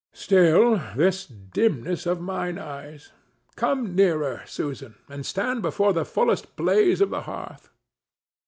Still this dimness of mine eyes!—Come nearer, Susan, and stand before the fullest blaze of the hearth.